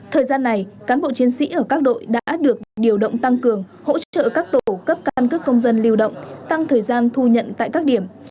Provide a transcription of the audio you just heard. thời gian này cán bộ chiến sĩ ở các đội đã được điều động tăng cường hỗ trợ các tổ cấp căn cước công dân lưu động tăng thời gian thu nhận tại các điểm